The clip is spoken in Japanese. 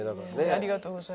ありがとうございます。